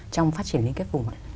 trong phát triển liên kết vùng